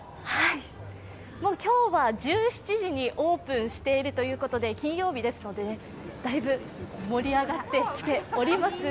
今日は１７時にオープンしているということで金曜日ですので、だいぶ盛り上がってきております。